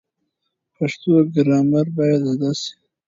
پښتو ګرامر باید زده شي.